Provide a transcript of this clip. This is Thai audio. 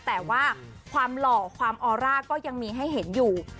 แต่ว่าความหล่อความออร่าก็ยังมีให้เห็นอยู่